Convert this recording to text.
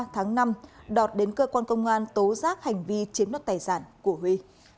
tháng năm đọt đến cơ quan công an tố rác hành vi chiếm đất tài sản của huy